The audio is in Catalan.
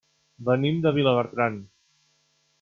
Venim de Vilabertran.